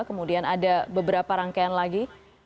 kemudian ada beberapa rangkaian lagi